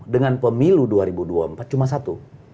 dengan pemilu dua ribu dua puluh empat cuma satu